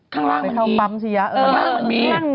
ข้างล่างมันมี